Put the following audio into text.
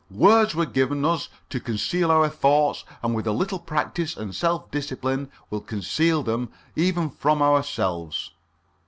Words were given us to conceal our thoughts, and with a little practice and self discipline will conceal them even from ourselves.